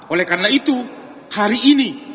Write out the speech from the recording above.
oleh karena itu hari ini